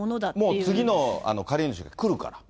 もう次の借り主が来るから。